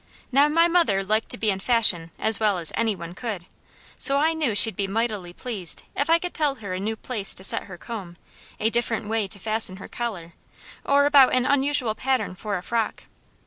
Now my mother liked to be in fashion as well as any one could; so I knew she'd be mightily pleased if I could tell her a new place to set her comb, a different way to fasten her collar, or about an unusual pattern for a frock.